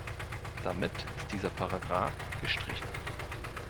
Damit ist dieser Paragraph gestrichen.